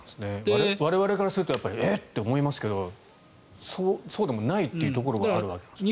我々からするとえっ！と思いますけどそうでもないというところがあるわけですよね。